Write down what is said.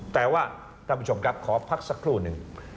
แต่ว่าท่านผู้ชมครับขอพักสักครู่หนึ่ง